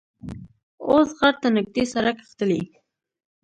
اوس غار ته نږدې سړک ختلی.